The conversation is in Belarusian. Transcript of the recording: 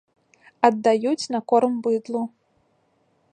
Аддаюць на корм быдлу.